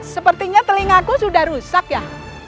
sepertinya telingaku sudah rusak ya